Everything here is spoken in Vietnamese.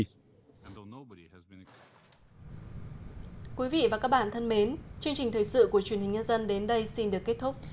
thưa quý vị và các bạn thân mến chương trình thời sự của truyền hình nhân dân đến đây xin được kết thúc